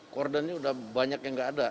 hordennya sudah banyak yang tidak ada